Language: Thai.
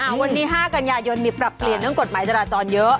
วันนี้๕กันยายนมีปรับเปลี่ยนเรื่องกฎหมายจราจรเยอะ